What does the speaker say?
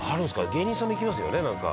「芸人さんも行きますよねなんか」